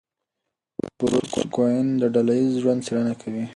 بروس کوئن د ډله ایز ژوند څېړنه کوي.